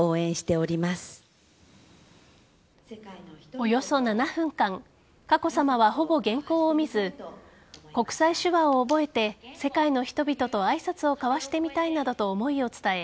およそ７分間佳子さまは、ほぼ原稿を見ず国際手話を覚えて世界の人々と挨拶を交わしてみたいなどと思いを伝え